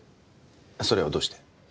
それはどうして？